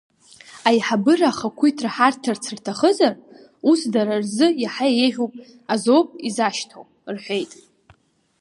Аиҳабыра ахақәиҭра ҳарҭарц рҭахызар, ус дара рзы иаҳа еиӷьуп азоуп изашьҭоу, — рҳәеит.